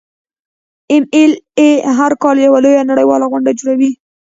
ایم ایل اې هر کال یوه لویه نړیواله غونډه جوړوي.